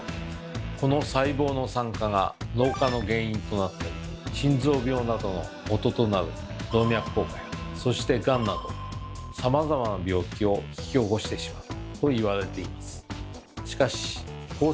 この細胞の酸化が老化の原因となったり心臓病などのもととなる動脈硬化やそしてガンなどさまざまな病気を引き起こしてしまうと言われています。